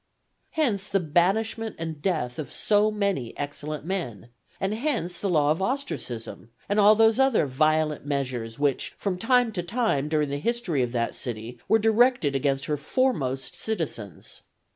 Hence the banishment and death of so many excellent men, and hence the law of ostracism, and all those other violent measures which from time to time during the history of that city were directed against her foremost citizens.